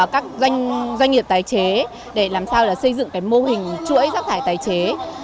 các doanh nghiệp tái chế để làm sao xây dựng cái mô hình chuỗi rác thải tái chế